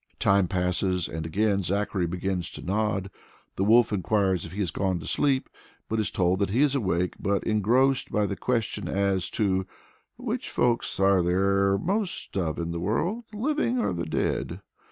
Time passes, and again Zachary begins to nod. The wolf enquires if he has gone to sleep, but is told that he is awake, but engrossed by the question as to "which folks are there most of in the world the living or the dead."